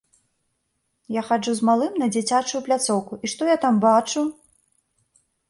Я хаджу з малым на дзіцячую пляцоўку, і што я там бачу?